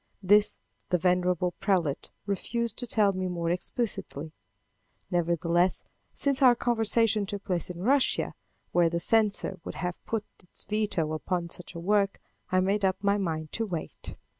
This the venerable prelate refused to tell me more explicitly. Nevertheless, since our conversation took place in Russia, where the censor would have put his veto upon such a work, I made up my mind to wait.